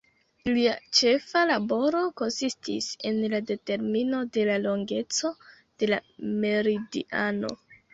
Lia ĉefa laboro konsistis en la determino de la longeco de la meridiano.